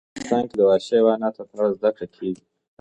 افغانستان کې د وحشي حیواناتو په اړه زده کړه کېږي.